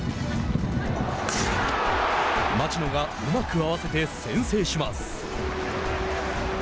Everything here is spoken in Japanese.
町野がうまく合わせて先制します。